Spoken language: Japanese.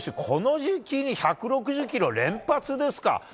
この時期に１６０キロ連発ですか。